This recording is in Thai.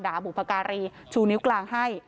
ด่าหมูพการีชูนิ้วกลางให้